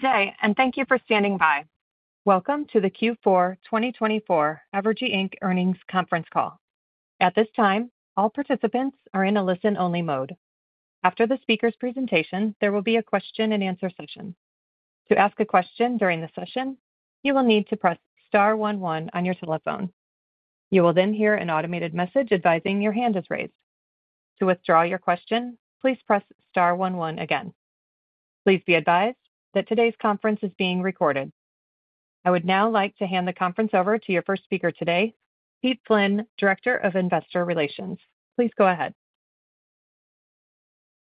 Good day, and thank you for standing by. Welcome to the Q4 2024 Evergy Inc Earnings Conference Call. At this time, all participants are in a listen-only mode. After the speaker's presentation, there will be a question-and-answer session. To ask a question during the session, you will need to press star one one on your telephone. You will then hear an automated message advising your hand is raised. To withdraw your question, please press star one one again. Please be advised that today's conference is being recorded. I would now like to hand the conference over to your first speaker today, Pete Flynn, Director of Investor Relations. Please go ahead.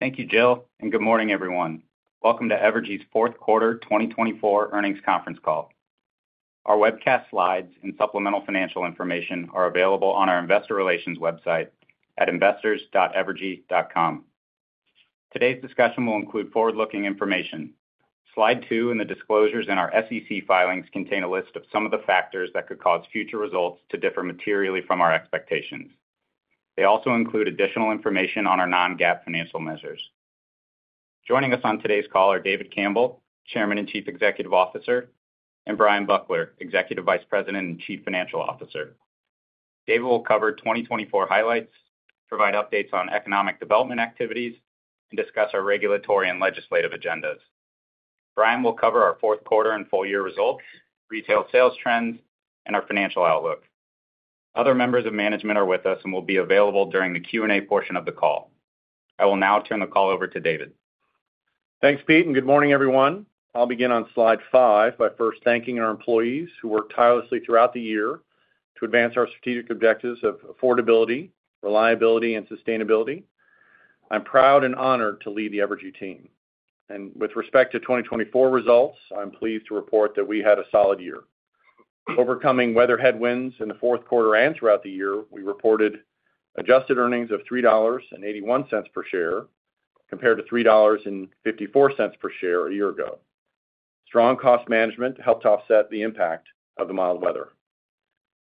Thank you, Jill, and good morning, everyone. Welcome to Evergy's Fourth Quarter 2024 Earnings Conference Call. Our webcast slides and supplemental financial information are available on our Investor Relations website at investors.evergy.com. Today's discussion will include forward-looking information. Slide two and the disclosures in our SEC filings contain a list of some of the factors that could cause future results to differ materially from our expectations. They also include additional information on our non-GAAP financial measures. Joining us on today's call are David Campbell, Chairman and Chief Executive Officer, and Brian Buckler, Executive Vice President and Chief Financial Officer. David will cover 2024 highlights, provide updates on economic development activities, and discuss our regulatory and legislative agendas. Brian will cover our fourth quarter and full-year results, retail sales trends, and our financial outlook. Other members of management are with us and will be available during the Q&A portion of the call. I will now turn the call over to David. Thanks, Pete, and good morning, everyone. I'll begin on slide five by first thanking our employees who worked tirelessly throughout the year to advance our strategic objectives of affordability, reliability, and sustainability. I'm proud and honored to lead the Evergy team. With respect to 2024 results, I'm pleased to report that we had a solid year. Overcoming weather headwinds in the fourth quarter and throughout the year, we reported adjusted earnings of $3.81 per share compared to $3.54 per share a year ago. Strong cost management helped offset the impact of the mild weather.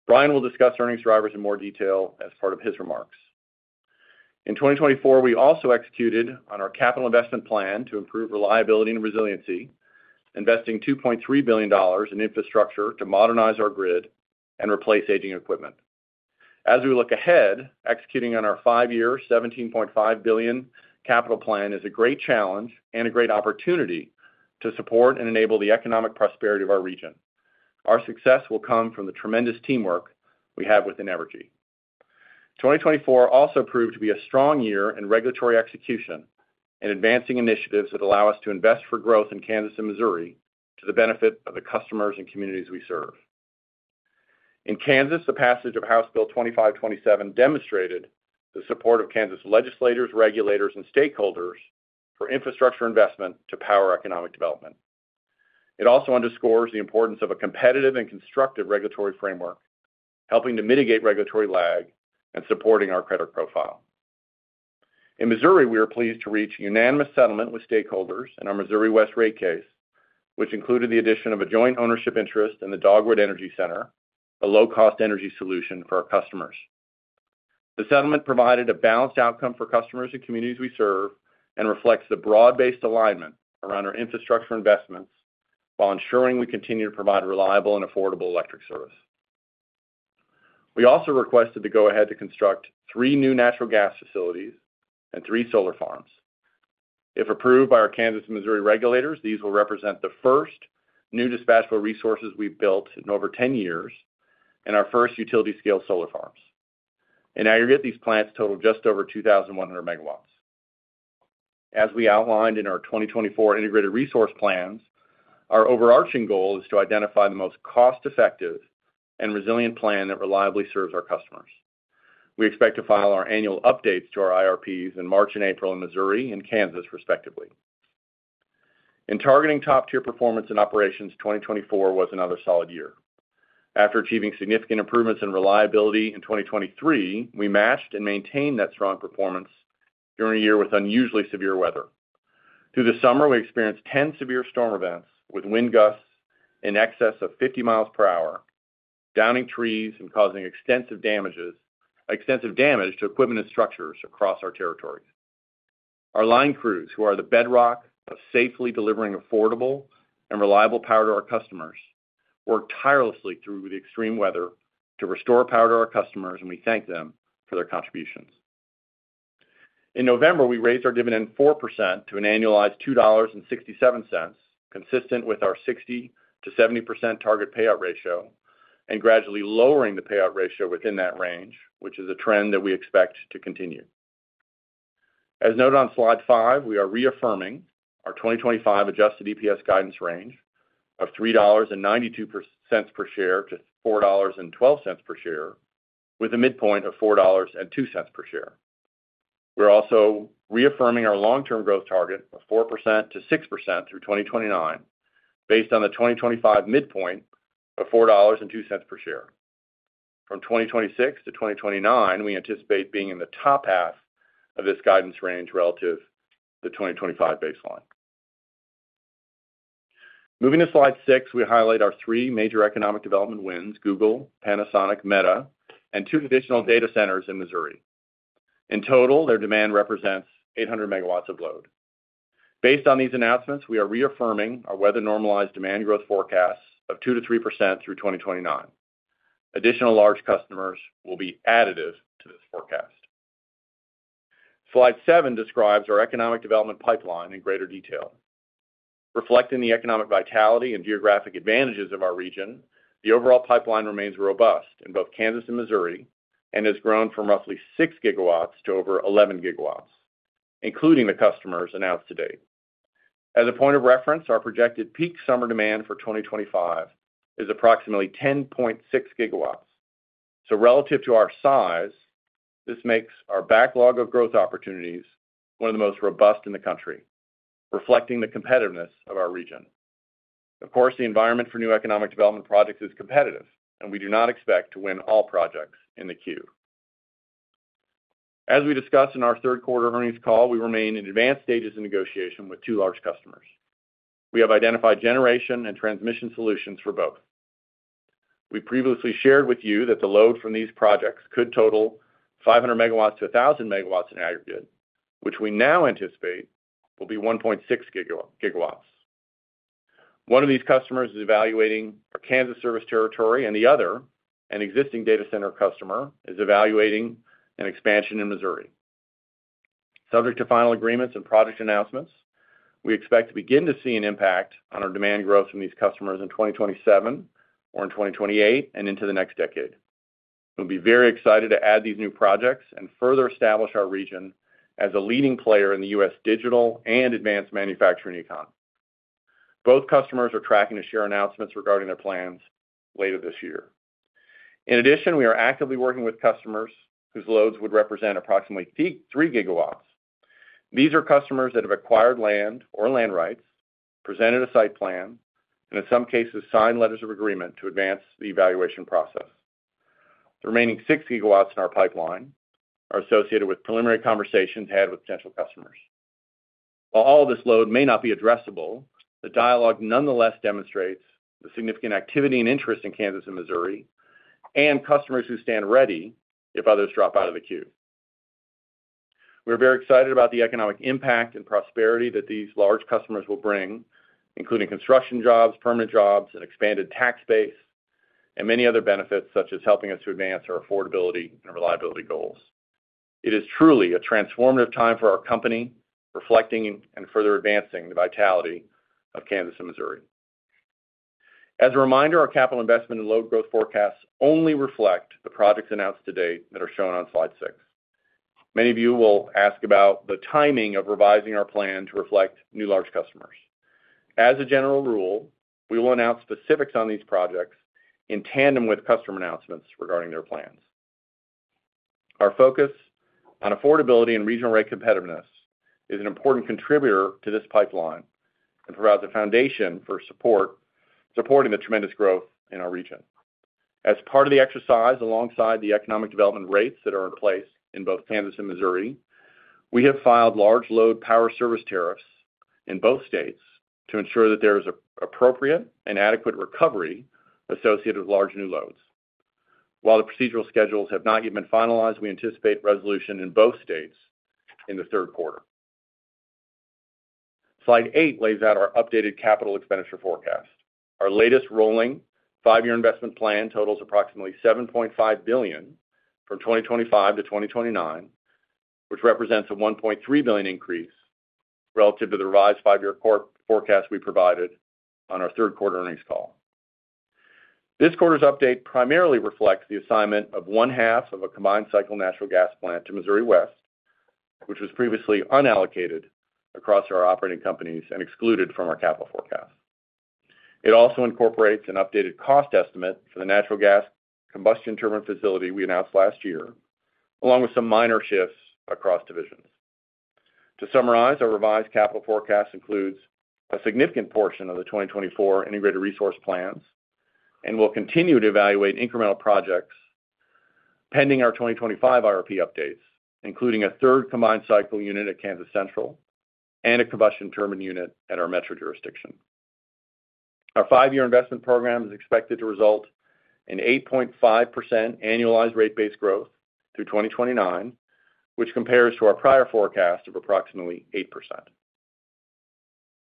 Brian will discuss earnings drivers in more detail as part of his remarks. In 2024, we also executed on our capital investment plan to improve reliability and resiliency, investing $2.3 billion in infrastructure to modernize our grid and replace aging equipment. As we look ahead, executing on our five-year, $17.5 billion capital plan is a great challenge and a great opportunity to support and enable the economic prosperity of our region. Our success will come from the tremendous teamwork we have within Evergy. 2024 also proved to be a strong year in regulatory execution and advancing initiatives that allow us to invest for growth in Kansas and Missouri to the benefit of the customers and communities we serve. In Kansas, the passage of House Bill 2527 demonstrated the support of Kansas legislators, regulators, and stakeholders for infrastructure investment to power economic development. It also underscores the importance of a competitive and constructive regulatory framework, helping to mitigate regulatory lag and supporting our credit profile. In Missouri, we were pleased to reach unanimous settlement with stakeholders in our Missouri West rate case, which included the addition of a joint ownership interest in the Dogwood Energy Center, a low-cost energy solution for our customers. The settlement provided a balanced outcome for customers and communities we serve and reflects the broad-based alignment around our infrastructure investments while ensuring we continue to provide reliable and affordable electric service. We also requested the go-ahead to construct three new natural gas facilities and three solar farms. If approved by our Kansas and Missouri regulators, these will represent the first new dispatchable resources we've built in over 10 years and our first utility-scale solar farms. In aggregate, these plants total just over 2,100 MW. As we outlined in our 2024 Integrated Resource Plans, our overarching goal is to identify the most cost-effective and resilient plan that reliably serves our customers. We expect to file our annual updates to our IRPs in March and April in Missouri and Kansas, respectively. In targeting top-tier performance and operations, 2024 was another solid year. After achieving significant improvements in reliability in 2023, we matched and maintained that strong performance during a year with unusually severe weather. Through the summer, we experienced 10 severe storm events with wind gusts in excess of 50 mi per hour, downing trees and causing extensive damage to equipment and structures across our territory. Our line crews, who are the bedrock of safely delivering affordable and reliable power to our customers, worked tirelessly through the extreme weather to restore power to our customers, and we thank them for their contributions. In November, we raised our dividend 4% to an annualized $2.67, consistent with our 60%-70% target payout ratio, and gradually lowering the payout ratio within that range, which is a trend that we expect to continue. As noted on slide five, we are reaffirming our 2025 adjusted EPS guidance range of $3.92-$4.12 per share, with a midpoint of $4.02 per share. We're also reaffirming our long-term growth target of 4%-6% through 2029, based on the 2025 midpoint of $4.02 per share. From 2026 to 2029, we anticipate being in the top half of this guidance range relative to the 2025 baseline. Moving to slide six, we highlight our three major economic development wins: Google, Panasonic, Meta, and two additional data centers in Missouri. In total, their demand represents 800 MW of load. Based on these announcements, we are reaffirming our weather-normalized demand growth forecasts of 2%-3% through 2029. Additional large customers will be additive to this forecast. Slide seven describes our economic development pipeline in greater detail. Reflecting the economic vitality and geographic advantages of our region, the overall pipeline remains robust in both Kansas and Missouri and has grown from roughly 6 GW to over 11 GW, including the customers announced to date. As a point of reference, our projected peak summer demand for 2025 is approximately 10.6 GW. So relative to our size, this makes our backlog of growth opportunities one of the most robust in the country, reflecting the competitiveness of our region. Of course, the environment for new economic development projects is competitive, and we do not expect to win all projects in the queue. As we discussed in our third quarter earnings call, we remain in advanced stages of negotiation with two large customers. We have identified generation and transmission solutions for both. We previously shared with you that the load from these projects could total 500 MW-1,000 MW in aggregate, which we now anticipate will be 1.6 GW. One of these customers is evaluating our Kansas service territory, and the other, an existing data center customer, is evaluating an expansion in Missouri. Subject to final agreements and project announcements, we expect to begin to see an impact on our demand growth from these customers in 2027 or in 2028 and into the next decade. We'll be very excited to add these new projects and further establish our region as a leading player in the U.S. digital and advanced manufacturing economy. Both customers are tracking to share announcements regarding their plans later this year. In addition, we are actively working with customers whose loads would represent approximately 3 GW. These are customers that have acquired land or land rights, presented a site plan, and in some cases, signed letters of agreement to advance the evaluation process. The remaining 6 GW in our pipeline are associated with preliminary conversations ahead with potential customers. While all of this load may not be addressable, the dialogue nonetheless demonstrates the significant activity and interest in Kansas and Missouri and customers who stand ready if others drop out of the queue. We are very excited about the economic impact and prosperity that these large customers will bring, including construction jobs, permanent jobs, an expanded tax base, and many other benefits such as helping us to advance our affordability and reliability goals. It is truly a transformative time for our company, reflecting and further advancing the vitality of Kansas and Missouri. As a reminder, our capital investment and load growth forecasts only reflect the projects announced to date that are shown on slide six. Many of you will ask about the timing of revising our plan to reflect new large customers. As a general rule, we will announce specifics on these projects in tandem with customer announcements regarding their plans. Our focus on affordability and regional rate competitiveness is an important contributor to this pipeline and provides a foundation for supporting the tremendous growth in our region. As part of the exercise, alongside the economic development rates that are in place in both Kansas and Missouri, we have filed large load power service tariffs in both states to ensure that there is appropriate and adequate recovery associated with large new loads. While the procedural schedules have not yet been finalized, we anticipate resolution in both states in the third quarter. Slide eight lays out our updated capital expenditure forecast. Our latest rolling five-year investment plan totals approximately $7.5 billion from 2025 to 2029, which represents a $1.3 billion increase relative to the revised five-year forecast we provided on our third quarter earnings call. This quarter's update primarily reflects the assignment of one-half of a combined cycle natural gas plant to Missouri West, which was previously unallocated across our operating companies and excluded from our capital forecast. It also incorporates an updated cost estimate for the natural gas combustion turbine facility we announced last year, along with some minor shifts across divisions. To summarize, our revised capital forecast includes a significant portion of the 2024 Integrated Resource Plans and will continue to evaluate incremental projects pending our 2025 IRP updates, including a third combined cycle unit at Kansas Central and a combustion turbine unit at our Metro jurisdiction. Our five-year investment program is expected to result in 8.5% annualized rate-based growth through 2029, which compares to our prior forecast of approximately 8%.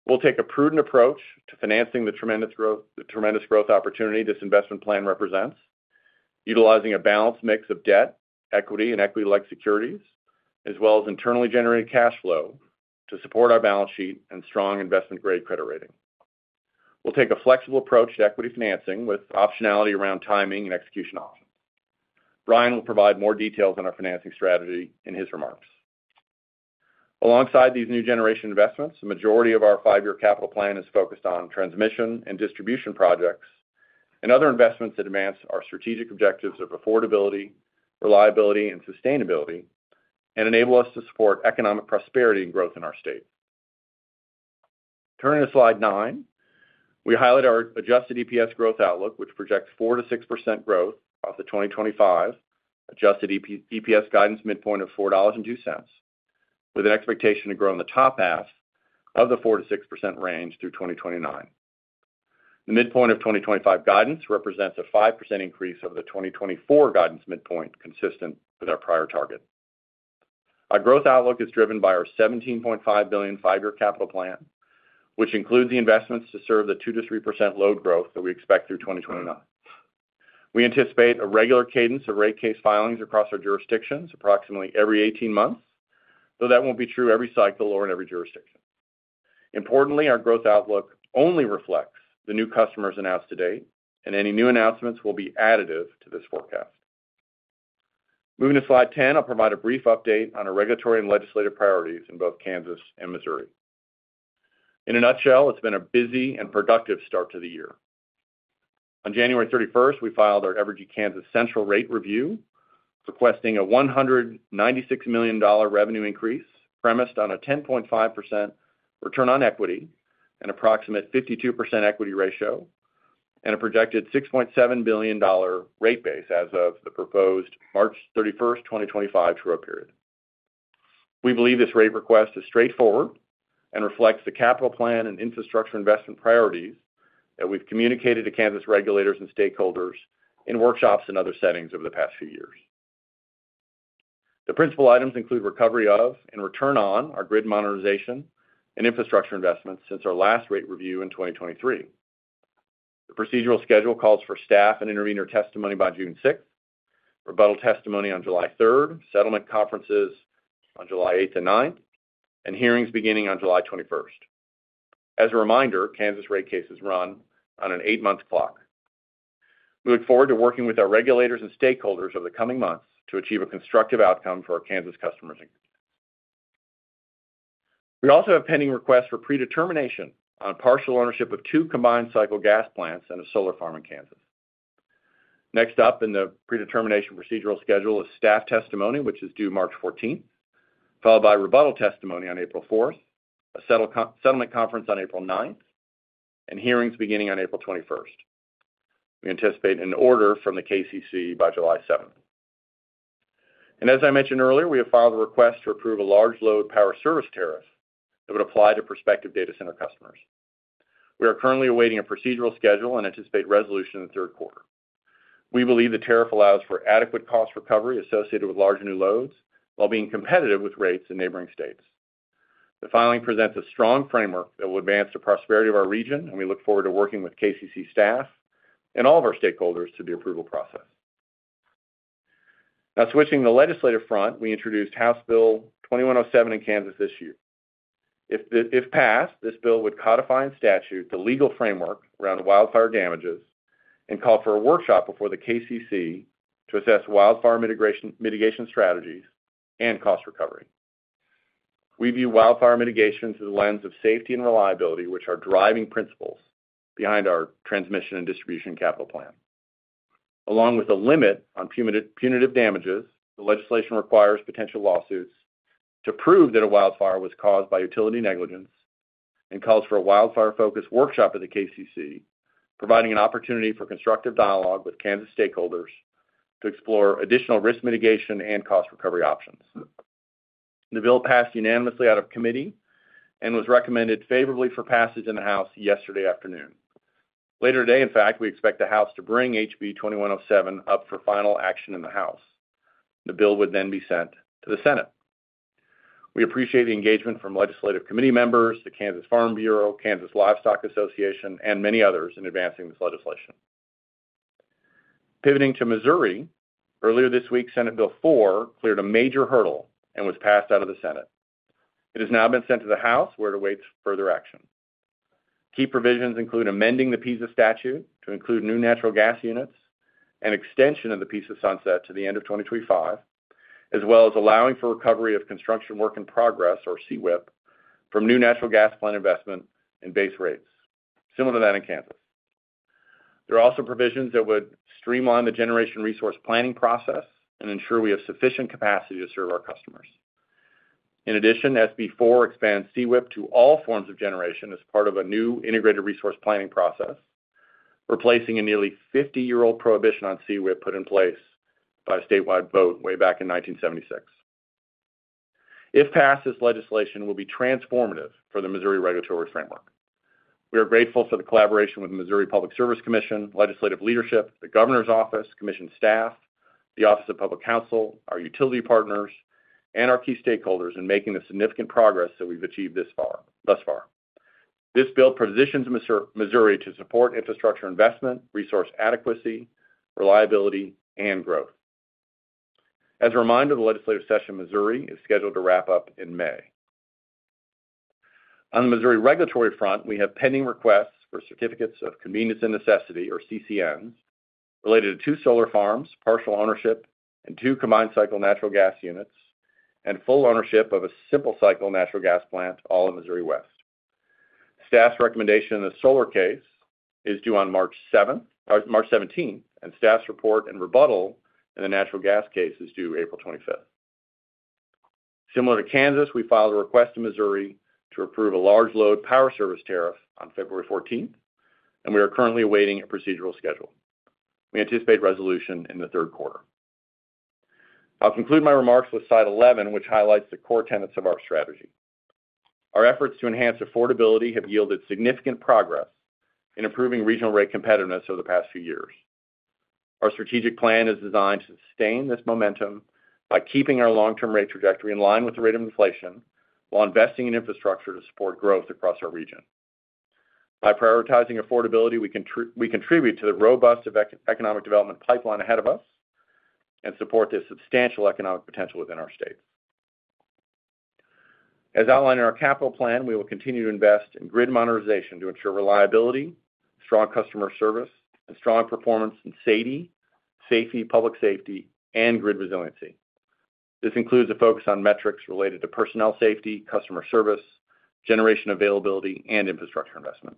We'll take a prudent approach to financing the tremendous growth opportunity this investment plan represents, utilizing a balanced mix of debt, equity, and equity-like securities, as well as internally generated cash flow to support our balance sheet and strong investment-grade credit rating. We'll take a flexible approach to equity financing with optionality around timing and execution options. Brian will provide more details on our financing strategy in his remarks. Alongside these new generation investments, the majority of our five-year capital plan is focused on transmission and distribution projects and other investments that advance our strategic objectives of affordability, reliability, and sustainability and enable us to support economic prosperity and growth in our state. Turning to slide nine, we highlight our adjusted EPS growth outlook, which projects 4%-6% growth of the 2025 adjusted EPS guidance midpoint of $4.02, with an expectation to grow in the top half of the 4%-6% range through 2029. The midpoint of 2025 guidance represents a 5% increase over the 2024 guidance midpoint, consistent with our prior target. Our growth outlook is driven by our $17.5 billion five-year capital plan, which includes the investments to serve the 2%-3% load growth that we expect through 2029. We anticipate a regular cadence of rate case filings across our jurisdictions approximately every 18 months, though that won't be true every cycle or in every jurisdiction. Importantly, our growth outlook only reflects the new customers announced to date, and any new announcements will be additive to this forecast. Moving to slide 10, I'll provide a brief update on our regulatory and legislative priorities in both Kansas and Missouri. In a nutshell, it's been a busy and productive start to the year. On January 31st, we filed our Evergy Kansas Central rate review, requesting a $196 million revenue increase premised on a 10.5% return on equity and approximate 52% equity ratio and a projected $6.7 billion rate base as of the proposed March 31st, 2025, growth period. We believe this rate request is straightforward and reflects the capital plan and infrastructure investment priorities that we've communicated to Kansas regulators and stakeholders in workshops and other settings over the past few years. The principal items include recovery of and return on our grid modernization and infrastructure investments since our last rate review in 2023. The procedural schedule calls for staff and intervenor testimony by June 6th, rebuttal testimony on July 3rd, settlement conferences on July 8th and 9th, and hearings beginning on July 21st. As a reminder, Kansas rate cases run on an eight-month clock. We look forward to working with our regulators and stakeholders over the coming months to achieve a constructive outcome for our Kansas customers. We also have pending requests for predetermination on partial ownership of two combined cycle gas plants and a solar farm in Kansas. Next up in the predetermination procedural schedule is staff testimony, which is due March 14th, followed by rebuttal testimony on April 4th, a settlement conference on April 9th, and hearings beginning on April 21st. We anticipate an order from the KCC by July 7th, and as I mentioned earlier, we have filed a request to approve a large load power service tariff that would apply to prospective data center customers. We are currently awaiting a procedural schedule and anticipate resolution in the third quarter. We believe the tariff allows for adequate cost recovery associated with large new loads while being competitive with rates in neighboring states. The filing presents a strong framework that will advance the prosperity of our region, and we look forward to working with KCC staff and all of our stakeholders through the approval process. Now, switching to the legislative front, we introduced House Bill 2107 in Kansas this year. If passed, this bill would codify in statute the legal framework around wildfire damages and call for a workshop before the KCC to assess wildfire mitigation strategies and cost recovery. We view wildfire mitigation through the lens of safety and reliability, which are driving principles behind our transmission and distribution capital plan. Along with a limit on punitive damages, the legislation requires potential lawsuits to prove that a wildfire was caused by utility negligence and calls for a wildfire-focused workshop at the KCC, providing an opportunity for constructive dialogue with Kansas stakeholders to explore additional risk mitigation and cost recovery options. The bill passed unanimously out of committee and was recommended favorably for passage in the House yesterday afternoon. Later today, in fact, we expect the House to bring HB 2107 up for final action in the House. The bill would then be sent to the Senate. We appreciate the engagement from legislative committee members, the Kansas Farm Bureau, Kansas Livestock Association, and many others in advancing this legislation. Pivoting to Missouri, earlier this week, Senate Bill 4 cleared a major hurdle and was passed out of the Senate. It has now been sent to the House, where it awaits further action. Key provisions include amending the PISA statute to include new natural gas units and extension of the PISA sunset to the end of 2025, as well as allowing for recovery of construction work in progress, or CWIP, from new natural gas plant investment and base rates, similar to that in Kansas. There are also provisions that would streamline the generation resource planning process and ensure we have sufficient capacity to serve our customers. In addition, SB 4 expands CWIP to all forms of generation as part of a new integrated resource planning process, replacing a nearly 50-year-old prohibition on CWIP put in place by a statewide vote way back in 1976. If passed, this legislation will be transformative for the Missouri regulatory framework. We are grateful for the collaboration with the Missouri Public Service Commission, legislative leadership, the Governor's Office, commission staff, the Office of Public Counsel, our utility partners, and our key stakeholders in making the significant progress that we've achieved thus far. This bill positions Missouri to support infrastructure investment, resource adequacy, reliability, and growth. As a reminder, the legislative session in Missouri is scheduled to wrap up in May. On the Missouri regulatory front, we have pending requests for certificates of convenience and necessity, or CCNs, related to two solar farms, partial ownership, and two combined cycle natural gas units, and full ownership of a simple cycle natural gas plant, all in Missouri West. Staff's recommendation in the solar case is due on March 17th, and staff's report and rebuttal in the natural gas case is due April 25th. Similar to Kansas, we filed a request in Missouri to approve a large load power service tariff on February 14th, and we are currently awaiting a procedural schedule. We anticipate resolution in the third quarter. I'll conclude my remarks with slide 11, which highlights the core tenets of our strategy. Our efforts to enhance affordability have yielded significant progress in improving regional rate competitiveness over the past few years. Our strategic plan is designed to sustain this momentum by keeping our long-term rate trajectory in line with the rate of inflation while investing in infrastructure to support growth across our region. By prioritizing affordability, we contribute to the robust economic development pipeline ahead of us and support the substantial economic potential within our states. As outlined in our capital plan, we will continue to invest in grid modernization to ensure reliability, strong customer service, and strong performance in safety, public safety, and grid resiliency. This includes a focus on metrics related to personnel safety, customer service, generation availability, and infrastructure investment.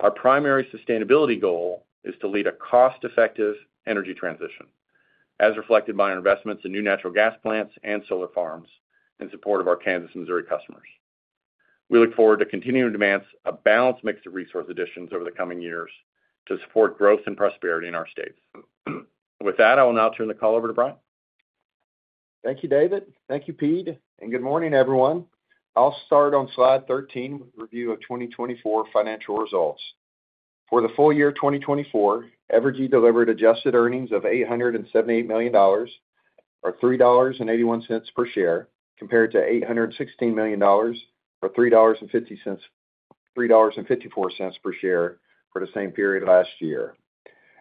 Our primary sustainability goal is to lead a cost-effective energy transition, as reflected by our investments in new natural gas plants and solar farms in support of our Kansas and Missouri customers. We look forward to continuing to advance a balanced mix of resource additions over the coming years to support growth and prosperity in our states. With that, I will now turn the call over to Brian. Thank you, David. Thank you, Pete. And good morning, everyone. I'll start on slide 13 with a review of 2024 financial results. For the full year 2024, Evergy delivered adjusted earnings of $878 million, or $3.81 per share, compared to $816 million or $3.54 per share for the same period last year.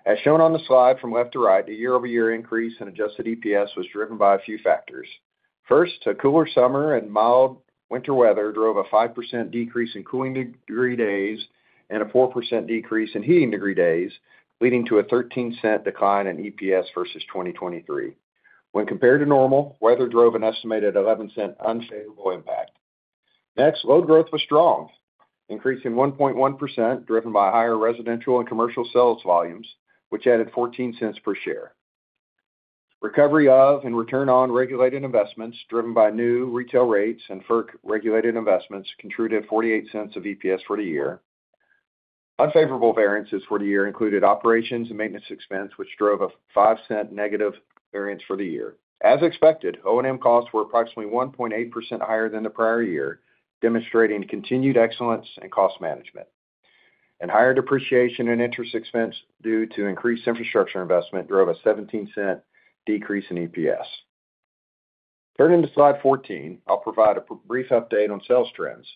As shown on the slide from left to right, the year-over-year increase in adjusted EPS was driven by a few factors. First, a cooler summer and mild winter weather drove a 5% decrease in cooling degree days and a 4% decrease in heating degree days, leading to a $0.13 decline in EPS versus 2023. When compared to normal, weather drove an estimated $0.11 unfavorable impact. Next, load growth was strong, increasing 1.1%, driven by higher residential and commercial sales volumes, which added $0.14 per share. Recovery of and return on regulated investments, driven by new retail rates and FERC-regulated investments, contributed $0.48 of EPS for the year. Unfavorable variances for the year included operations and maintenance expense, which drove a $0.05 negative variance for the year. As expected, O&M costs were approximately 1.8% higher than the prior year, demonstrating continued excellence in cost management. And higher depreciation and interest expense due to increased infrastructure investment drove a $0.17 decrease in EPS. Turning to slide 14, I'll provide a brief update on sales trends.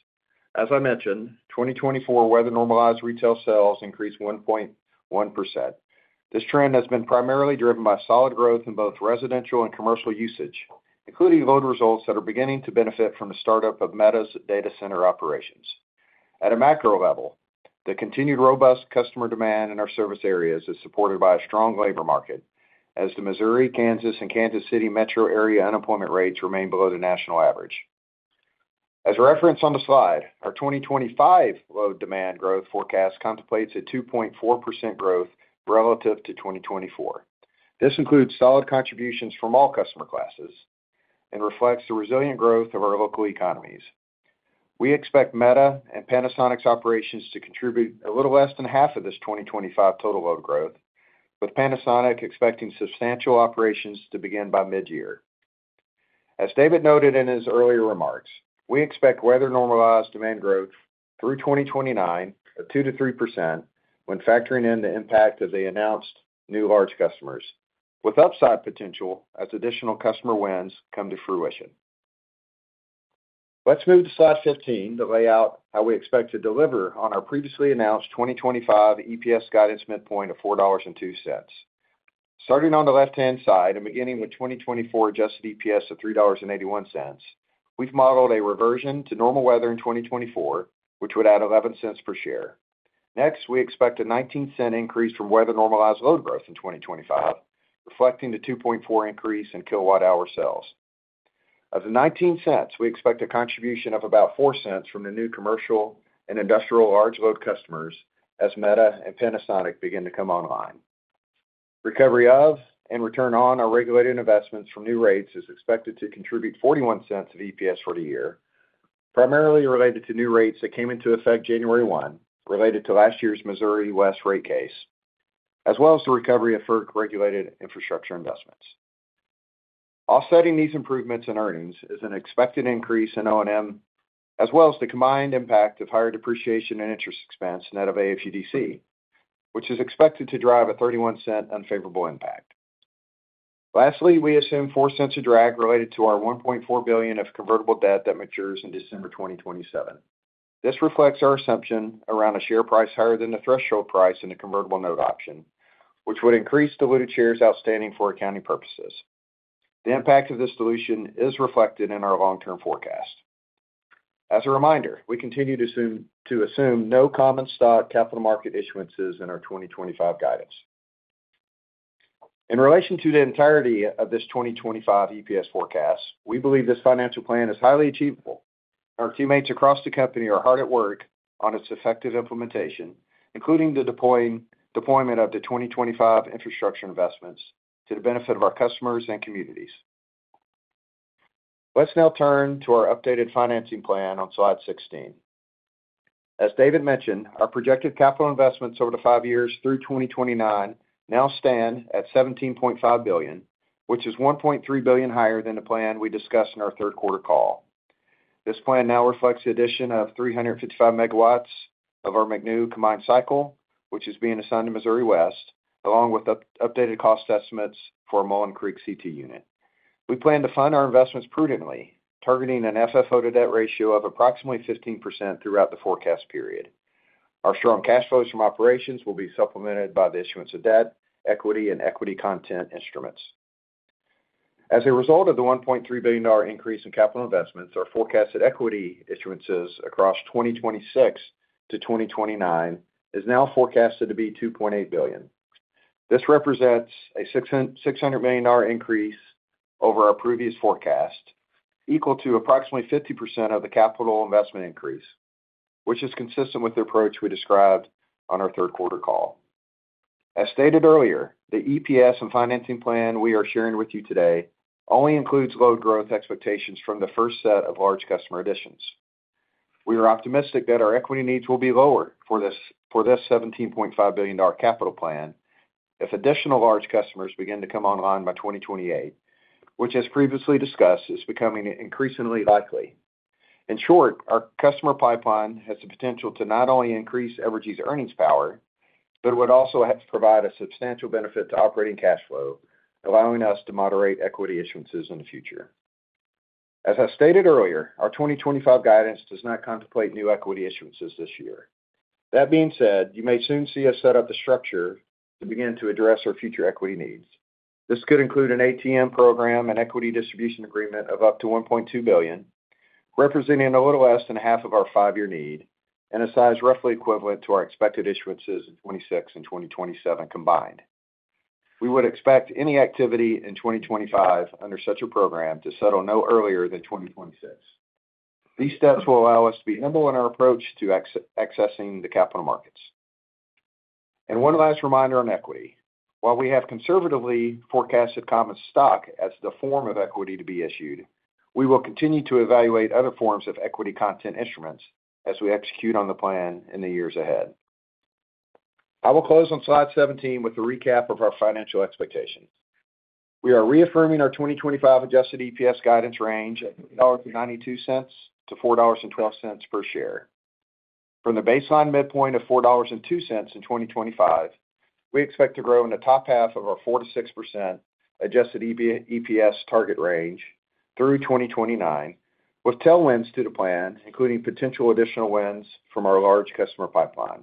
As I mentioned, 2024 weather-normalized retail sales increased 1.1%. This trend has been primarily driven by solid growth in both residential and commercial usage, including load results that are beginning to benefit from the startup of Meta's data center operations. At a macro level, the continued robust customer demand in our service areas is supported by a strong labor market, as the Missouri, Kansas, and Kansas City metro area unemployment rates remain below the national average. As referenced on the slide, our 2025 load demand growth forecast contemplates a 2.4% growth relative to 2024. This includes solid contributions from all customer classes and reflects the resilient growth of our local economies. We expect Meta and Panasonic's operations to contribute a little less than half of this 2025 total load growth, with Panasonic expecting substantial operations to begin by mid-year. As David noted in his earlier remarks, we expect weather-normalized demand growth through 2029 of 2% to 3% when factoring in the impact of the announced new large customers, with upside potential as additional customer wins come to fruition. Let's move to slide 15 to lay out how we expect to deliver on our previously announced 2025 EPS guidance midpoint of $4.02. Starting on the left-hand side and beginning with 2024 adjusted EPS of $3.81, we've modeled a reversion to normal weather in 2024, which would add $0.11 per share. Next, we expect a $0.19 increase from weather-normalized load growth in 2025, reflecting the 2.4% increase in kilowatt-hour sales. Of the $0.19, we expect a contribution of about $0.04 from the new commercial and industrial large load customers as Meta and Panasonic begin to come online. Recovery of and return on our regulated investments from new rates is expected to contribute $0.41 of EPS for the year, primarily related to new rates that came into effect January 1, related to last year's Missouri West rate case, as well as the recovery of FERC-regulated infrastructure investments. Offsetting these improvements in earnings is an expected increase in O&M, as well as the combined impact of higher depreciation and interest expense net of AFUDC, which is expected to drive a $0.31 unfavorable impact. Lastly, we assume $0.04 of drag related to our $1.4 billion of convertible debt that matures in December 2027. This reflects our assumption around a share price higher than the threshold price in a convertible note option, which would increase diluted shares outstanding for accounting purposes. The impact of this dilution is reflected in our long-term forecast. As a reminder, we continue to assume no common stock capital market issuances in our 2025 guidance. In relation to the entirety of this 2025 EPS forecast, we believe this financial plan is highly achievable. Our teammates across the company are hard at work on its effective implementation, including the deployment of the 2025 infrastructure investments to the benefit of our customers and communities. Let's now turn to our updated financing plan on slide 16. As David mentioned, our projected capital investments over the five years through 2029 now stand at $17.5 billion, which is $1.3 billion higher than the plan we discussed in our third quarter call. This plan now reflects the addition of 355 MW of our McNew combined cycle, which is being assigned to Missouri West, along with updated cost estimates for a Mullin Creek CT unit. We plan to fund our investments prudently, targeting an FFO to debt ratio of approximately 15% throughout the forecast period. Our strong cash flows from operations will be supplemented by the issuance of debt, equity, and equity content instruments. As a result of the $1.3 billion increase in capital investments, our forecasted equity issuances across 2026 to 2029 is now forecasted to be $2.8 billion. This represents a $600 million increase over our previous forecast, equal to approximately 50% of the capital investment increase, which is consistent with the approach we described on our third quarter call. As stated earlier, the EPS and financing plan we are sharing with you today only includes load growth expectations from the first set of large customer additions. We are optimistic that our equity needs will be lower for this $17.5 billion capital plan if additional large customers begin to come online by 2028, which, as previously discussed, is becoming increasingly likely. In short, our customer pipeline has the potential to not only increase Evergy's earnings power, but would also provide a substantial benefit to operating cash flow, allowing us to moderate equity issuances in the future. As I stated earlier, our 2025 guidance does not contemplate new equity issuances this year. That being said, you may soon see us set up the structure to begin to address our future equity needs. This could include an ATM program, an equity distribution agreement of up to $1.2 billion, representing a little less than half of our five-year need, and a size roughly equivalent to our expected issuances in 2026 and 2027 combined. We would expect any activity in 2025 under such a program to settle no earlier than 2026. These steps will allow us to be nimble in our approach to accessing the capital markets, and one last reminder on equity. While we have conservatively forecasted common stock as the form of equity to be issued, we will continue to evaluate other forms of equity content instruments as we execute on the plan in the years ahead. I will close on slide 17 with a recap of our financial expectations. We are reaffirming our 2025 adjusted EPS guidance range at $3.92-$4.12 per share. From the baseline midpoint of $4.02 in 2025, we expect to grow in the top half of our 4%-6% adjusted EPS target range through 2029, with tailwinds to the plan, including potential additional wins from our large customer pipeline.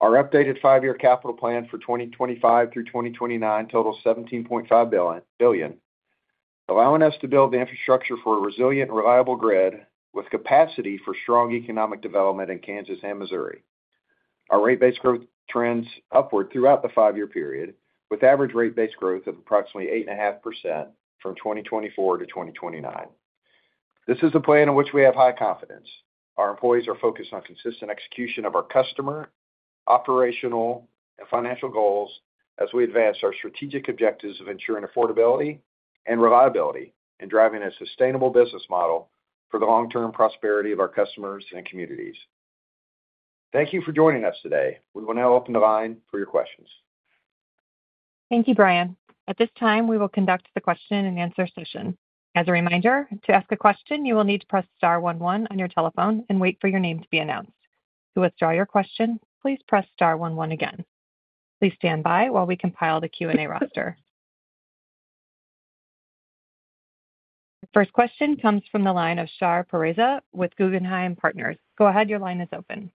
Our updated five-year capital plan for 2025 through 2029 totals $17.5 billion, allowing us to build the infrastructure for a resilient and reliable grid with capacity for strong economic development in Kansas and Missouri. Our rate-based growth trends upward throughout the five-year period, with average rate-based growth of approximately 8.5% from 2024 to 2029. This is a plan in which we have high confidence. Our employees are focused on consistent execution of our customer, operational, and financial goals as we advance our strategic objectives of ensuring affordability and reliability and driving a sustainable business model for the long-term prosperity of our customers and communities. Thank you for joining us today. We will now open the line for your questions. Thank you, Brian. At this time, we will conduct the question and answer session. As a reminder, to ask a question, you will need to press star 11 on your telephone and wait for your name to be announced. To withdraw your question, please press star 11 again. Please stand by while we compile the Q&A roster. The first question comes from the line of Shar Pourreza with Guggenheim Partners. Go ahead. Your line is open.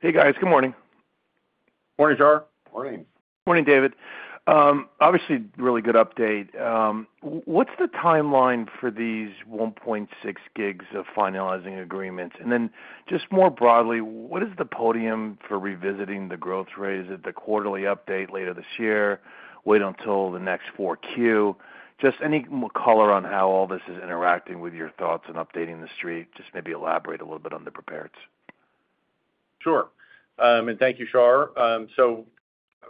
Hey, guys. Good morning. Morning, Shar. Morning. Morning, David. Obviously, really good update. What's the timeline for these 1.6 gigs of finalizing agreements? And then just more broadly, what is the podium for revisiting the growth rate? Is it the quarterly update later this year? Wait until the next 4Q? Just any color on how all this is interacting with your thoughts on updating the street? Just maybe elaborate a little bit on the prepareds. Sure. And thank you, Shar. So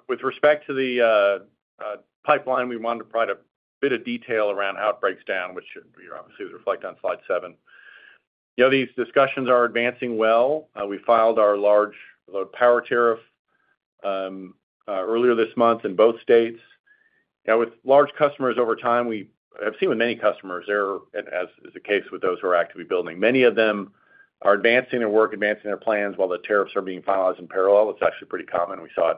with respect to the pipeline, we wanted to provide a bit of detail around how it breaks down, which you obviously reflect on slide 7. These discussions are advancing well. We filed our large load power tariff earlier this month in both states. With large customers over time, we have seen with many customers, as is the case with those who are actively building. Many of them are advancing their work, advancing their plans while the tariffs are being finalized in parallel. It's actually pretty common. We saw it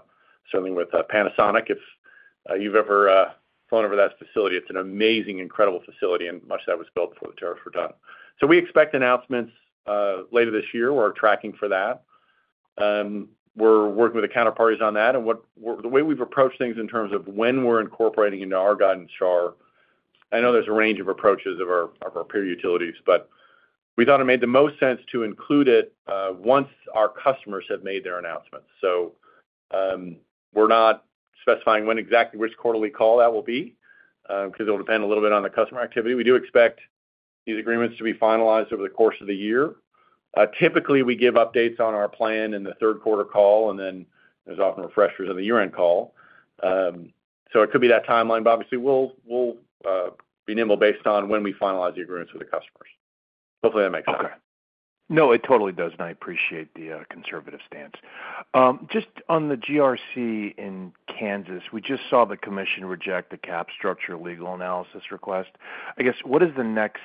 certainly with Panasonic. If you've ever flown over that facility, it's an amazing, incredible facility, and much of that was built before the tariffs were done. So we expect announcements later this year. We're tracking for that. We're working with the counterparties on that. And the way we've approached things in terms of when we're incorporating into our guidance, Shar. I know there's a range of approaches of our peer utilities, but we thought it made the most sense to include it once our customers have made their announcements. So we're not specifying when exactly which quarterly call that will be because it'll depend a little bit on the customer activity. We do expect these agreements to be finalized over the course of the year. Typically, we give updates on our plan in the third quarter call, and then there's often refreshers at the year-end call. So it could be that timeline, but obviously, we'll be nimble based on when we finalize the agreements with the customers. Hopefully, that makes sense. Okay. No, it totally does. And I appreciate the conservative stance. Just on the GRC in Kansas, we just saw the commission reject the cap structure legal analysis request. I guess, what is the next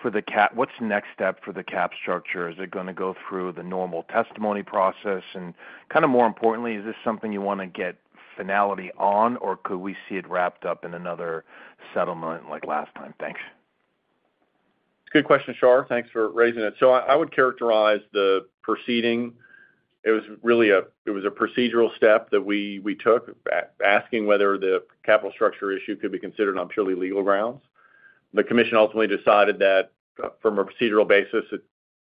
for the cap? What's the next step for the capital structure? Is it going to go through the normal testimony process? And kind of more importantly, is this something you want to get finality on, or could we see it wrapped up in another settlement like last time? Thanks. It's a good question, Shar. Thanks for raising it. So I would characterize the proceeding as really a procedural step that we took, asking whether the capital structure issue could be considered on purely legal grounds. The commission ultimately decided that from a procedural basis, it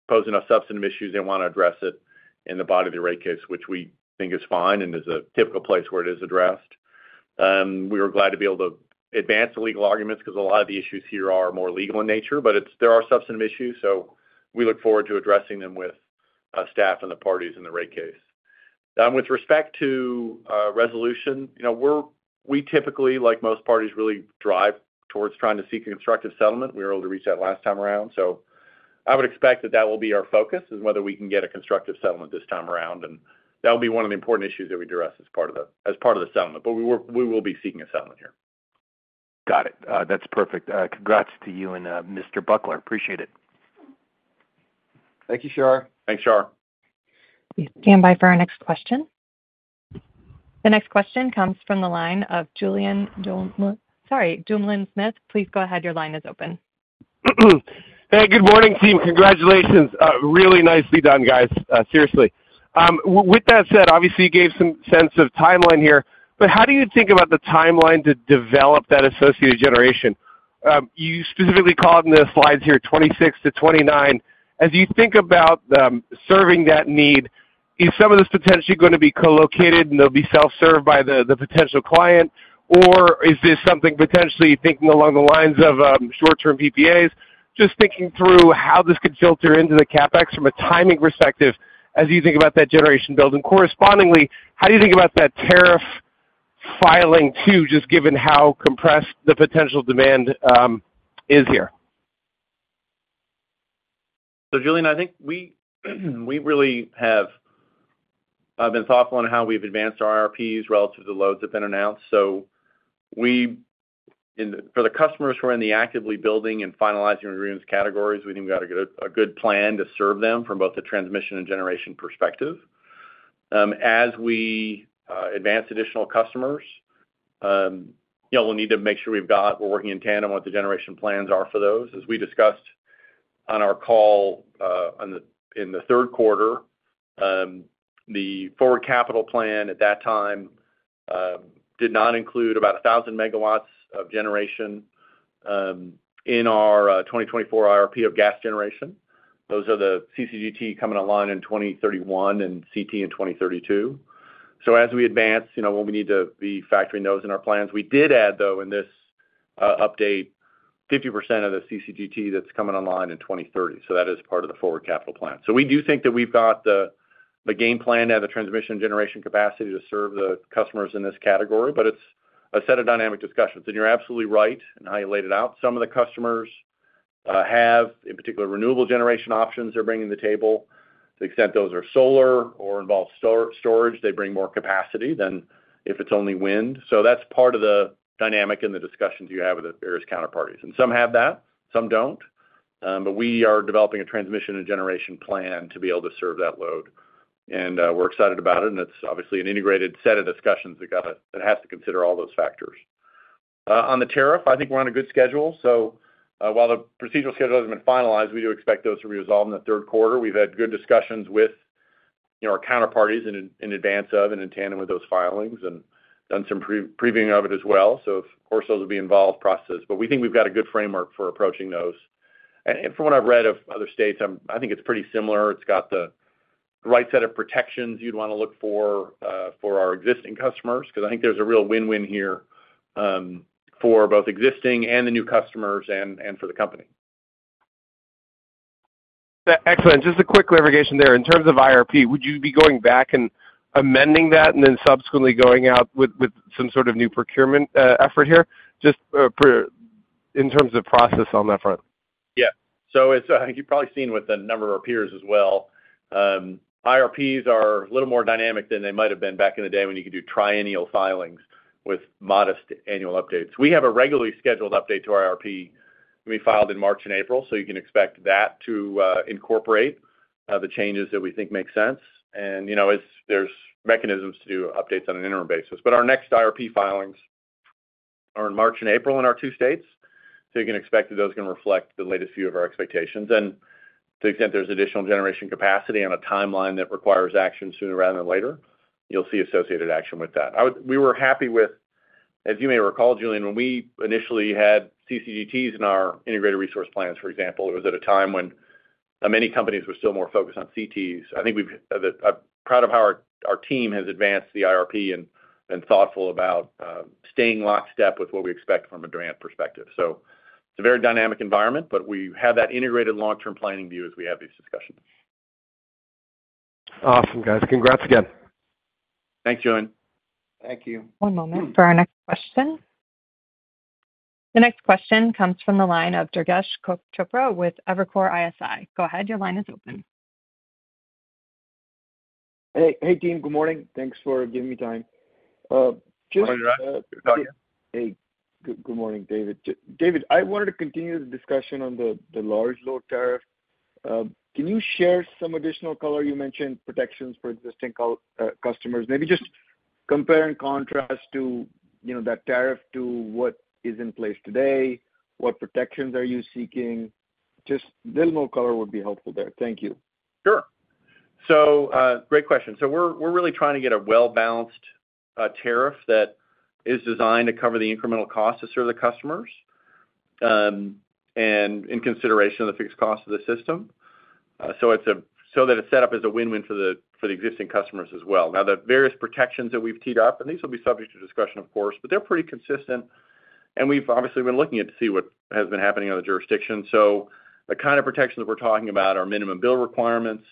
posed enough substantive issues they want to address it in the body of the rate case, which we think is fine and is a typical place where it is addressed. We were glad to be able to advance the legal arguments because a lot of the issues here are more legal in nature, but there are substantive issues. So we look forward to addressing them with staff and the parties in the rate case. With respect to resolution, we typically, like most parties, really drive towards trying to seek a constructive settlement. We were able to reach that last time around. So I would expect that that will be our focus, is whether we can get a constructive settlement this time around. And that will be one of the important issues that we address as part of the settlement. But we will be seeking a settlement here. Got it. That's perfect. Congrats to you and Mr. Buckler. Appreciate it. Thank you, Shar. Thanks, Shar. Stand by for our next question. The next question comes from the line of Julien Dumoulin-Smith. Please go ahead. Your line is open. Hey, good morning, team. Congratulations. Really nicely done, guys. Seriously. With that said, obviously, you gave some sense of timeline here. But how do you think about the timeline to develop that associated generation? You specifically called in the slides here, 26-29. As you think about serving that need, is some of this potentially going to be co-located and they'll be self-served by the potential client, or is this something potentially thinking along the lines of short-term PPAs? Just thinking through how this could filter into the CapEx from a timing perspective as you think about that generation build. And correspondingly, how do you think about that tariff filing too, just given how compressed the potential demand is here? So, Julien, I think we really have been thoughtful in how we've advanced our IRPs relative to the loads that have been announced. For the customers who are in the actively building and finalizing agreements categories, we think we got a good plan to serve them from both the transmission and generation perspective. As we advance additional customers, we'll need to make sure we've got, we're working in tandem with the generation plans for those. As we discussed on our call in the third quarter, the forward capital plan at that time did not include about 1,000 megawatts of generation in our 2024 IRP of gas generation. Those are the CCGT coming online in 2031 and CT in 2032. As we advance, we'll need to be factoring those in our plans. We did add, though, in this update, 50% of the CCGT that's coming online in 2030. That is part of the forward capital plan. So we do think that we've got the game plan to have the transmission generation capacity to serve the customers in this category, but it's a set of dynamic discussions. And you're absolutely right in how you laid it out. Some of the customers have, in particular, renewable generation options they're bringing to the table. To the extent those are solar or involve storage, they bring more capacity than if it's only wind. So that's part of the dynamic in the discussions you have with the various counterparties. And some have that. Some don't. But we are developing a transmission and generation plan to be able to serve that load. And we're excited about it. And it's obviously an integrated set of discussions that has to consider all those factors. On the tariff, I think we're on a good schedule. So while the procedural schedule hasn't been finalized, we do expect those to be resolved in the third quarter. We've had good discussions with our counterparties in advance of and in tandem with those filings and done some previewing of it as well. So of course, those will be involved processes. But we think we've got a good framework for approaching those. And from what I've read of other states, I think it's pretty similar. It's got the right set of protections you'd want to look for our existing customers because I think there's a real win-win here for both existing and the new customers and for the company. Excellent. Just a quick clarification there. In terms of IRP, would you be going back and amending that and then subsequently going out with some sort of new procurement effort here? Just in terms of process on that front. Yeah. So I think you've probably seen with a number of peers as well, IRPs are a little more dynamic than they might have been back in the day when you could do triennial filings with modest annual updates. We have a regularly scheduled update to our IRP to be filed in March and April. So you can expect that to incorporate the changes that we think make sense. And there's mechanisms to do updates on an interim basis. But our next IRP filings are in March and April in our two states. So you can expect that those are going to reflect the latest view of our expectations. And to the extent there's additional generation capacity on a timeline that requires action sooner rather than later, you'll see associated action with that. We were happy with, as you may recall, Julien, when we initially had CCGTs in our integrated resource plans, for example. It was at a time when many companies were still more focused on CTs. I think I'm proud of how our team has advanced the IRP and been thoughtful about staying lockstep with what we expect from a demand perspective. So it's a very dynamic environment, but we have that integrated long-term planning view as we have these discussions. Awesome, guys. Congrats again. Thanks, Julien. Thank you. One moment for our next question. The next question comes from the line of Durgesh Chopra with Evercore ISI. Go ahead. Your line is open. Hey, team. Good morning. Thanks for giving me time. Morning, right. How are you? Hey. Good morning, David. David, I wanted to continue the discussion on the large load tariff. Can you share some additional color? You mentioned protections for existing customers. Maybe just compare and contrast that tariff to what is in place today. What protections are you seeking? Just a little more color would be helpful there. Thank you. Sure. So great question. So we're really trying to get a well-balanced tariff that is designed to cover the incremental cost to serve the customers and in consideration of the fixed cost of the system. So that it's set up as a win-win for the existing customers as well. Now, the various protections that we've teed up, and these will be subject to discussion, of course, but they're pretty consistent. And we've obviously been looking at to see what has been happening in other jurisdictions. So the kind of protections we're talking about are minimum bill requirements,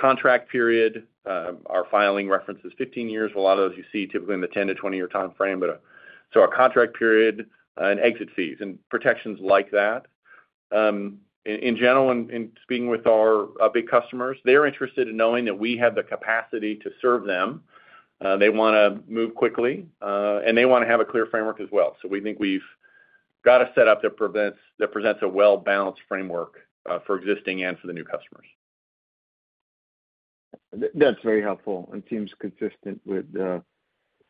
contract period. Our filing reference is 15 years. A lot of those you see typically in the 10-20-year time frame. So our contract period and exit fees and protections like that. In general, in speaking with our big customers, they're interested in knowing that we have the capacity to serve them. They want to move quickly, and they want to have a clear framework as well. So we think we've got a setup that presents a well-balanced framework for existing and for the new customers. That's very helpful and seems consistent with some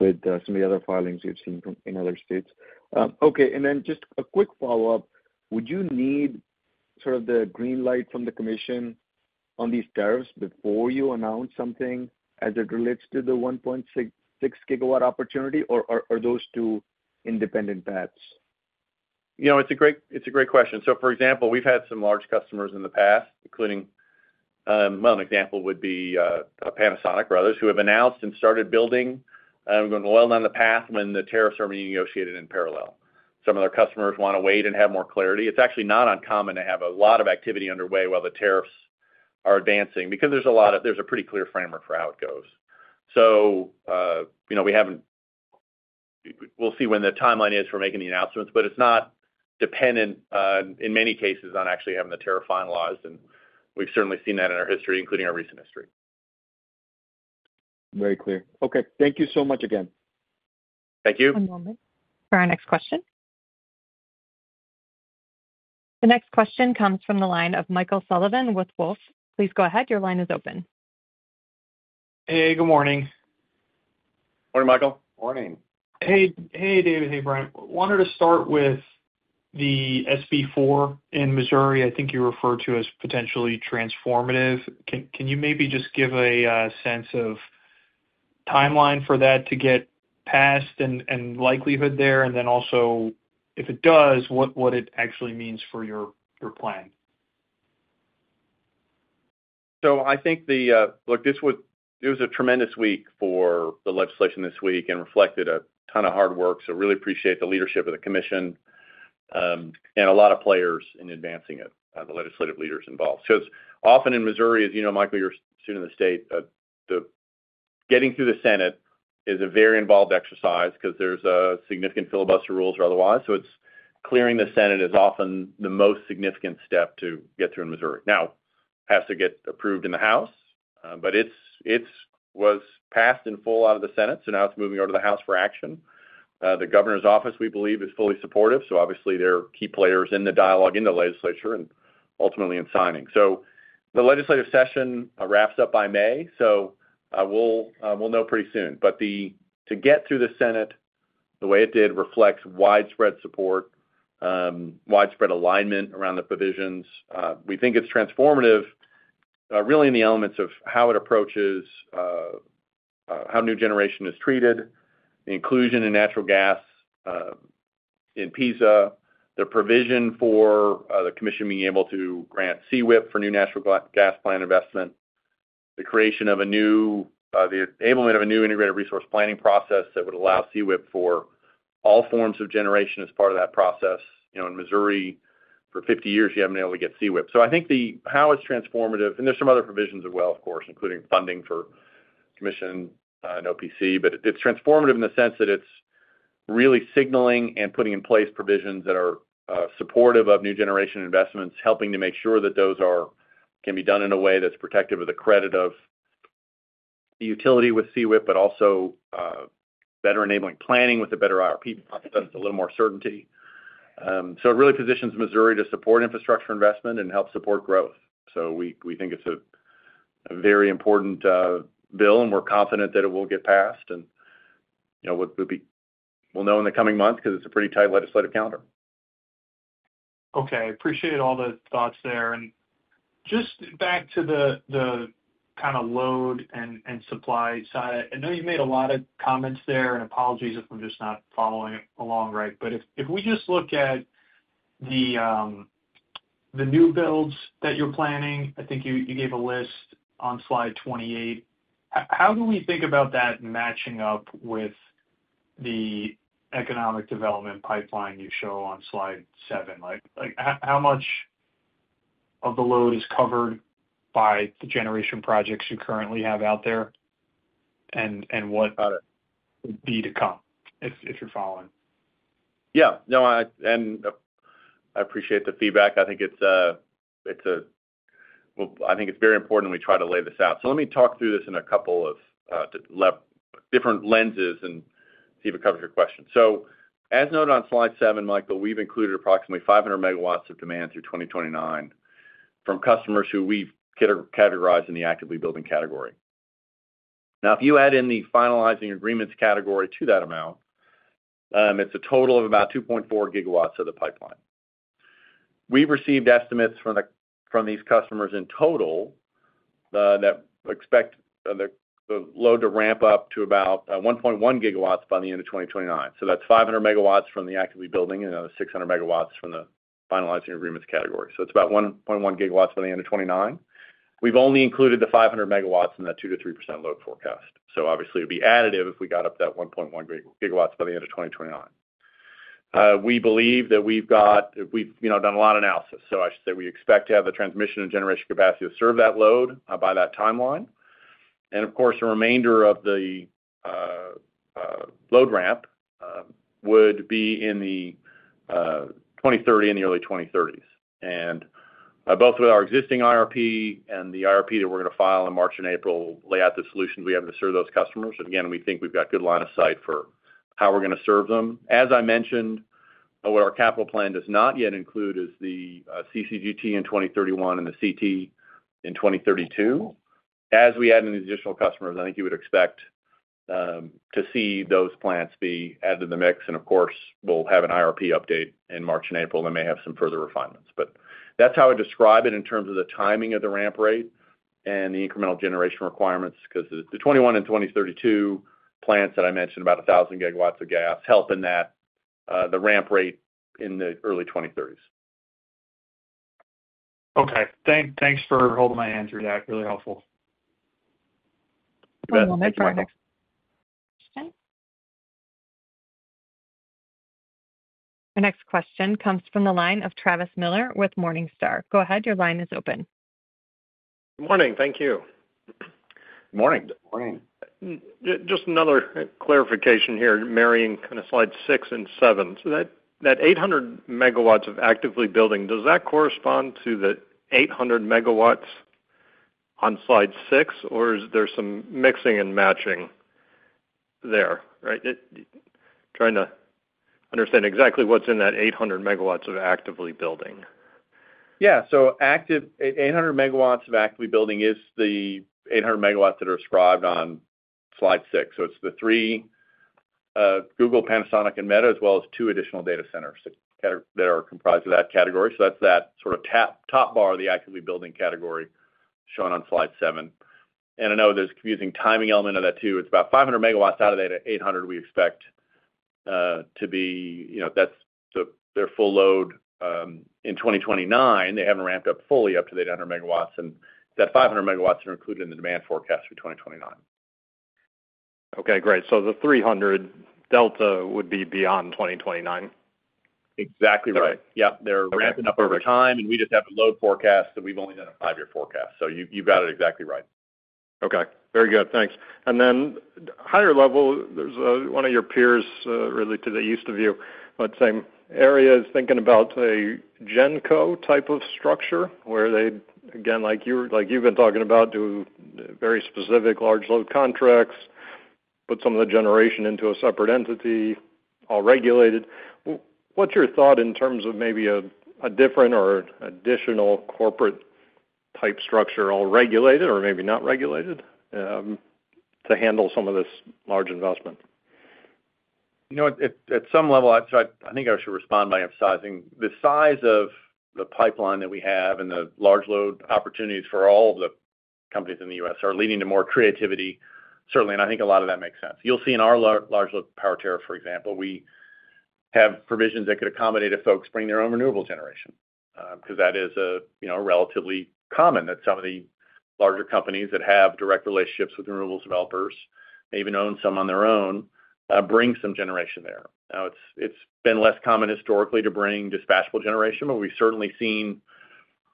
of the other filings you've seen in other states. Okay. And then just a quick follow-up. Would you need sort of the green light from the commission on these tariffs before you announce something as it relates to the 1.6 GW opportunity, or are those two independent paths? It's a great question. So, for example, we've had some large customers in the past, including one example would be Panasonic or others who have announced and started building. We're going well down the path when the tariffs are being negotiated in parallel. Some of their customers want to wait and have more clarity. It's actually not uncommon to have a lot of activity underway while the tariffs are advancing because there's a pretty clear framework for how it goes. So we haven't, we'll see when the timeline is for making the announcements, but it's not dependent, in many cases, on actually having the tariff finalized. And we've certainly seen that in our history, including our recent history. Very clear. Okay. Thank you so much again. Thank you. One moment for our next question. The next question comes from the line of Michael Sullivan with Wolfe. Please go ahead. Your line is open. Hey. Good morning. Morning, Michael. Morning. Hey, David. Hey, Brian. Wanted to start with the SB4 in Missouri. I think you referred to it as potentially transformative. Can you maybe just give a sense of timeline for that to get passed and likelihood there? And then also, if it does, what it actually means for your plan? So I think, look, it was a tremendous week for the legislation this week and reflected a ton of hard work. So really appreciate the leadership of the commission and a lot of players in advancing it, the legislative leaders involved. Because often in Missouri, as you know, Michael, you're a student of the state, getting through the Senate is a very involved exercise because there's a significant filibuster rules or otherwise. So clearing the Senate is often the most significant step to get through in Missouri. Now, it has to get approved in the House, but it was passed in full out of the Senate. So now it's moving over to the House for action. The governor's office, we believe, is fully supportive. So obviously, they're key players in the dialogue in the legislature and ultimately in signing. So the legislative session wraps up by May. So we'll know pretty soon. But to get through the Senate, the way it did reflects widespread support, widespread alignment around the provisions. We think it's transformative, really, in the elements of how it approaches new generation is treated, the inclusion of natural gas in PISA, the provision for the commission being able to grant CWIP for new natural gas plant investment, the enablement of a new integrated resource planning process that would allow CWIP for all forms of generation as part of that process. In Missouri, for 50 years, you haven't been able to get CWIP. So I think how it's transformative, and there's some other provisions as well, of course, including funding for commission and OPC, but it's transformative in the sense that it's really signaling and putting in place provisions that are supportive of new generation investments, helping to make sure that those can be done in a way that's protective of the credit of the utility with CWIP, but also better enabling planning with a better IRP process, a little more certainty. So it really positions Missouri to support infrastructure investment and help support growth. So we think it's a very important bill, and we're confident that it will get passed. And we'll know in the coming months because it's a pretty tight legislative calendar. Okay. I appreciate all the thoughts there. And just back to the kind of load and supply side, I know you made a lot of comments there and apologies if I'm just not following along right. But if we just look at the new builds that you're planning, I think you gave a list on slide 28. How do we think about that matching up with the economic development pipeline you show on slide seven? How much of the load is covered by the generation projects you currently have out there and what would be to come if you're following? Yeah. No, and I appreciate the feedback. I think it's a, well, I think it's very important we try to lay this out. So let me talk through this in a couple of different lenses and see if it covers your question. As noted on slide seven, Michael, we've included approximately 500 MW of demand through 2029 from customers who we've categorized in the actively building category. Now, if you add in the finalizing agreements category to that amount, it's a total of about 2.4 GW of the pipeline. We've received estimates from these customers in total that expect the load to ramp up to about 1.1 GW by the end of 2029. So that's 500 MW from the actively building and another 600 MW from the finalizing agreements category. So it's about 1.1 GW by the end of 2029. We've only included the 500 MW in that 2% to 3% load forecast. So obviously, it would be additive if we got up to that 1.1 GW by the end of 2029. We believe that we've done a lot of analysis. I should say we expect to have the transmission and generation capacity to serve that load by that timeline. Of course, the remainder of the load ramp would be in the 2030s and the early 2030s. Both with our existing IRP and the IRP that we're going to file in March and April lay out the solutions we have to serve those customers. Again, we think we've got a good line of sight for how we're going to serve them. As I mentioned, what our capital plan does not yet include is the CCGT in 2031 and the CT in 2032. As we add in the additional customers, I think you would expect to see those plants be added to the mix. Of course, we'll have an IRP update in March and April and may have some further refinements. But that's how I describe it in terms of the timing of the ramp rate and the incremental generation requirements because the 2021 and 2032 plants that I mentioned, about 1,000 GW of gas, help in that the ramp rate in the early 2030s. Okay. Thanks for holding my hand through that. Really helpful. You bet. One moment for our next question. Our next question comes from the line of Travis Miller with Morningstar. Go ahead. Your line is open. Good morning. Thank you. Good morning. Good morning. Just another clarification here, marrying kind of slide six and seven. So that 800 MW of actively building, does that correspond to the 800 MW on slide six, or is there some mixing and matching there? Right? Trying to understand exactly what's in that 800 MW of actively building. Yeah. 800 MW of actively building is the 800 MW that are ascribed on slide six. So it's the three Google, Panasonic, and Meta as well as two additional data centers that are comprised of that category. So that's that sort of top bar of the actively building category shown on slide seven. And I know there's a confusing timing element of that too. It's about 500 MW out of that 800 MW we expect to be. That's their full load in 2029. They haven't ramped up fully up to the 800 megawatts. And that 500 MW are included in the demand forecast for 2029. Okay. Great. So the 300 delta would be beyond 2029. Exactly right. Yeah. They're ramping up over time, and we just have a load forecast that we've only done a five-year forecast. So you've got it exactly right. Okay. Very good. Thanks. And then higher level, there's one of your peers related to the east of you, but same areas, thinking about a GenCo type of structure where they, again, like you've been talking about, do very specific large load contracts, put some of the generation into a separate entity, all regulated. What's your thought in terms of maybe a different or additional corporate-type structure, all regulated or maybe not regulated, to handle some of this large investment? At some level, I think I should respond by emphasizing the size of the pipeline that we have and the large load opportunities for all of the companies in the U.S. are leading to more creativity, certainly. And I think a lot of that makes sense. You'll see in our large load power tariff, for example, we have provisions that could accommodate if folks bring their own renewable generation because that is relatively common that some of the larger companies that have direct relationships with renewables developers may even own some on their own, bring some generation there. Now, it's been less common historically to bring dispatchable generation, but we've certainly seen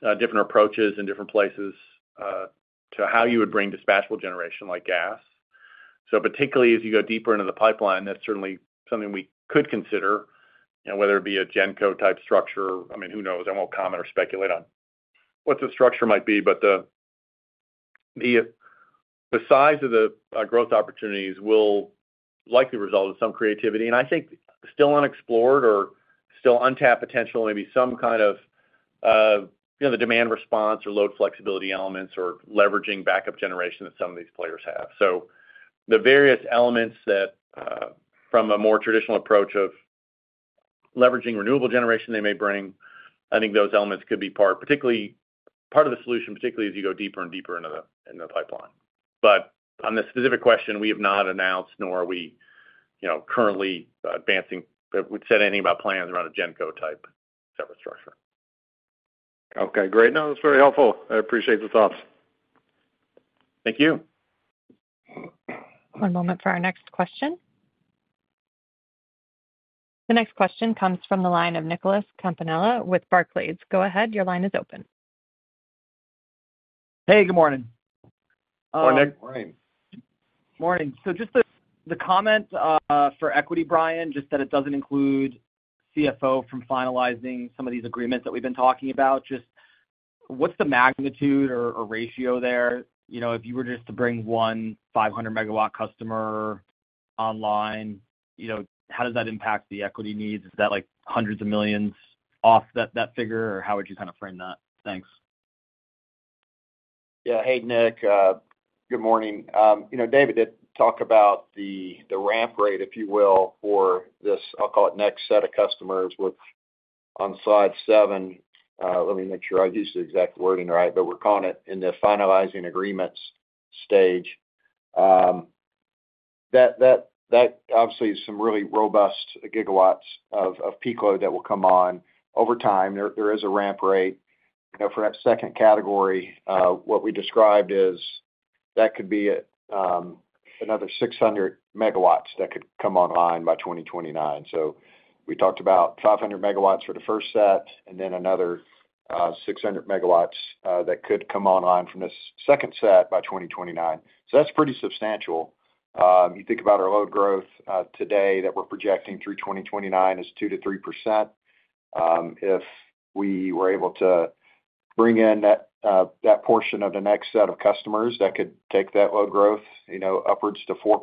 different approaches in different places to how you would bring dispatchable generation like gas. So particularly as you go deeper into the pipeline, that's certainly something we could consider, whether it be a GenCo type structure. I mean, who knows? I won't comment or speculate on what the structure might be. But the size of the growth opportunities will likely result in some creativity. And I think still unexplored or still untapped potential, maybe some kind of the demand response or load flexibility elements or leveraging backup generation that some of these players have. So the various elements that from a more traditional approach of leveraging renewable generation they may bring, I think those elements could be part of the solution, particularly as you go deeper and deeper into the pipeline. But on the specific question, we have not announced, nor are we currently advancing or said anything about plans around a GenCo type of structure. Okay. Great. No, that's very helpful. I appreciate the thoughts. Thank you. One moment for our next question. The next question comes from the line of Nicholas Campanella with Barclays. Go ahead. Your line is open. Hey. Good morning. Morning. Morning. Just the comment for equity, Brian, just that it doesn't include costs from finalizing some of these agreements that we've been talking about. Just what's the magnitude or ratio there? If you were just to bring one 500 MW customer online, how does that impact the equity needs? Is that hundreds of millions off that figure, or how would you kind of frame that? Thanks. Yeah. Hey, Nick. Good morning. David did talk about the ramp rate, if you will, for this. I'll call it the next set of customers on slide seven. Let me make sure I use the exact wording right. But we're calling it in the finalizing agreements stage. That obviously is some really robust gigawatts of FERC that will come on over time. There is a ramp rate. For that second category, what we described is that could be another 600 MW that could come online by 2029. So we talked about 500 MW for the first set and then another 600 MW that could come online from this second set by 2029. So that's pretty substantial. You think about our load growth today that we're projecting through 2029 is 2% to 3%. If we were able to bring in that portion of the next set of customers, that could take that load growth upwards to 4%,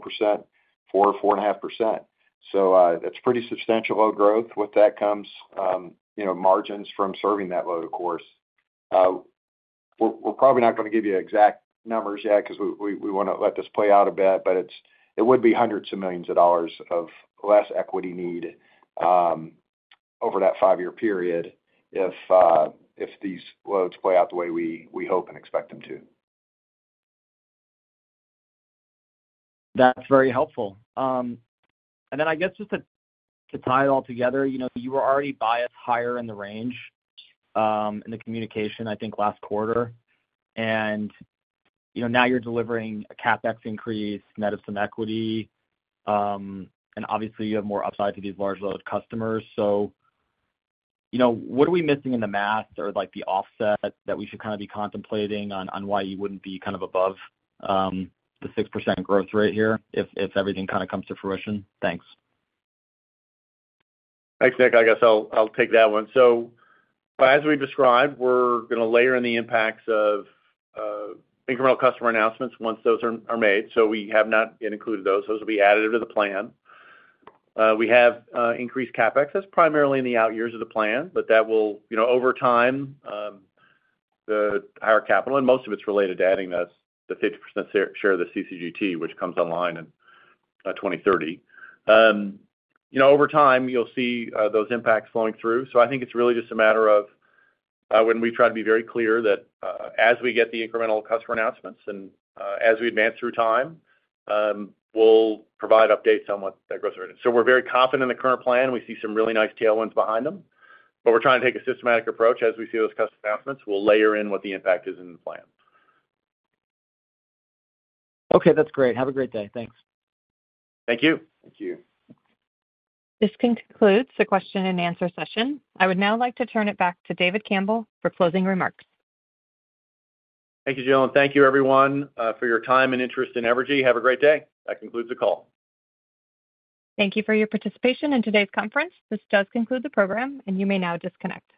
4, 4.5%. So that's pretty substantial load growth. With that comes margins from serving that load, of course. We're probably not going to give you exact numbers yet because we want to let this play out a bit. But it would be hundreds of millions of dollars of less equity need over that five-year period if these loads play out the way we hope and expect them to. That's very helpful. And then I guess just to tie it all together, you were already biased higher in the range in the communication, I think, last quarter. And now you're delivering a CapEx increase, net of some equity. And obviously, you have more upside to these large load customers. So what are we missing in the math or the offset that we should kind of be contemplating on why you wouldn't be kind of above the 6% growth rate here if everything kind of comes to fruition? Thanks. Thanks, Nick. I guess I'll take that one. So as we've described, we're going to layer in the impacts of incremental customer announcements once those are made. So we have not yet included those. Those will be added into the plan. We have increased CapEx. That's primarily in the out years of the plan, but that will, over time, the higher capital, and most of it's related to adding the 50% share of the CCGT, which comes online in 2030. Over time, you'll see those impacts flowing through. So I think it's really just a matter of when we try to be very clear that as we get the incremental customer announcements and as we advance through time, we'll provide updates on what that growth rate is. So we're very confident in the current plan. We see some really nice tailwinds behind them. But we're trying to take a systematic approach. As we see those customer announcements, we'll layer in what the impact is in the plan. Okay. That's great. Have a great day. Thanks. Thank you. Thank you. This concludes the question and answer session. I would now like to turn it back to David Campbell for closing remarks. Thank you, Jill. And thank you, everyone, for your time and interest and energy. Have a great day. That concludes the call. Thank you for your participation in today's conference. This does conclude the program, and you may now disconnect.